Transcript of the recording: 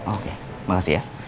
oke makasih ya